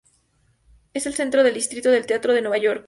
Es el centro del Distrito del Teatro de Nueva York.